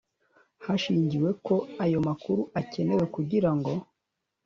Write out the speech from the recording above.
hashingiwe ko ayo makuru akenewe kugira ngo